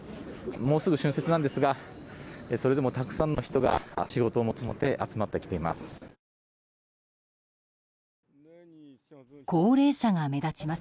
もうすぐ春節なんですがそれでもたくさんの人が仕事を求めて集まってきています。